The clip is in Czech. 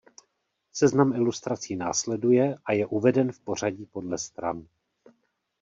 Seznam ilustrací následuje a je uveden v pořadí podle stran.